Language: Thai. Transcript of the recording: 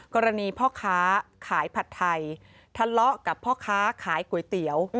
กรณีพ่อค้าขายผัดไทยทะเลาะกับพ่อค้าขายก๋วยเตี๋ยว